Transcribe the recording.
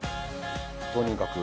とにかく。